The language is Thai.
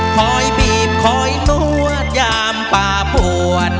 คอยบีบคอยนวดยามป่าป่วน